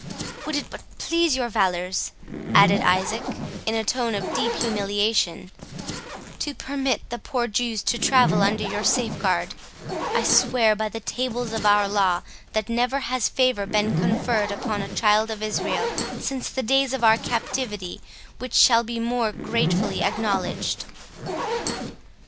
"Would it but please your valours," added Isaac, in a tone of deep humiliation, "to permit the poor Jews to travel under your safeguard, I swear by the tables of our law, that never has favour been conferred upon a child of Israel since the days of our captivity, which shall be more gratefully acknowledged."